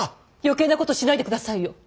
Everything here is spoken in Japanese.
余計なことしないでくださいよ。